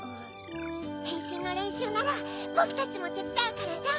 へんしんのれんしゅうならボクたちもてつだうからさ。